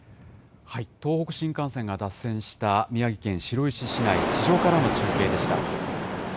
東北新幹線が脱線した、宮城県白石市内、地上からの中継でした。